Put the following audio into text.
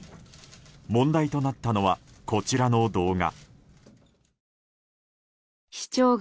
問題となったのはこちらの動画。